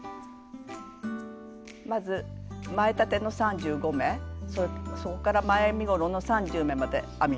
まず前立ての３５目そこから前身ごろの３０目まで編みます。